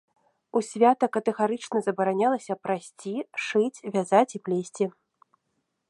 У свята катэгарычна забаранялася прасці, шыць, вязаць і плесці.